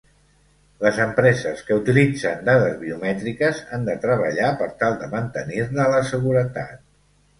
Les empreses que utilitzen dades biomètriques han de treballar per tal de mantenir-ne la seguretat.